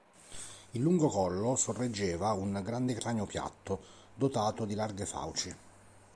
Il lungo collo sorreggeva un grande cranio piatto, dotato di larghe fauci.